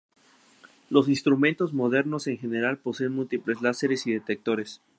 Los instrumentos modernos en general poseen múltiples láseres y detectores.